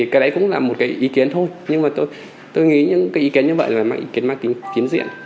cái đấy cũng là một ý kiến thôi nhưng tôi nghĩ những ý kiến như vậy là cái ý kiến mà kính diện